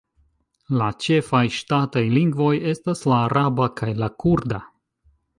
La ĉefaj ŝtataj lingvoj estas la araba kaj la kurda.